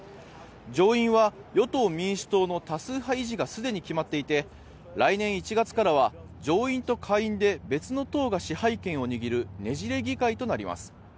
上院は与党・民主党の多数派維持がすでに決まっていて来年１月からは上院と下院で別の党が支配権を握るねじれ議会となります。